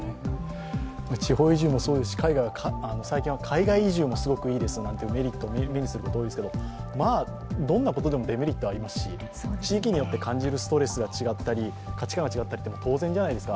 地方移住もそうですし、最近は海外移住もいいですってメリットを目にすることも多いですけど、どんなことでもデメリットはありますし、地域によって感じるストレスが違ったり、価値観が違ったりするのは当然じゃないですか。